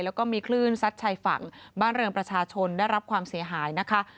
แล้วก็มีคลื่นซัดชายฝั่งบ้านเรือนประชาชนได้รับความเสียหายนะคะ